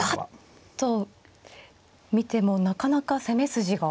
ぱっと見てもなかなか攻め筋が。